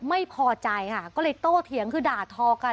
ไม่พอใจค่ะก็เลยโตเถียงคือด่าทอกัน